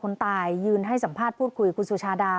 คนตายยืนให้สัมภาษณ์พูดคุยก็สุดท้ายเลย